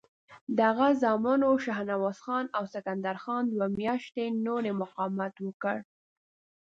د هغه زامنو شهنواز خان او سکندر خان دوه میاشتې نور مقاومت وکړ.